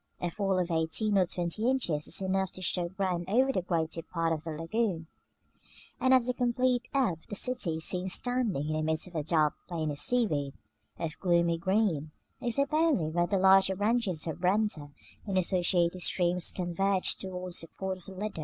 A fall of eighteen or twenty inches is enough to show ground over the greater part of the lagoon; and at the complete ebb the city is seen standing in the midst of a dark plain of seaweed, of gloomy green, except only where the larger branches of the Brenta and its associated streams converge towards the port of the Lido.